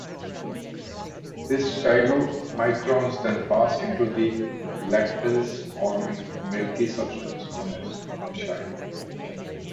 These chylomicrons then pass into the lacteals, forming a milky substance known as chyle.